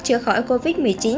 chữa khỏi covid một mươi chín